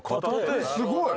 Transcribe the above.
すごい！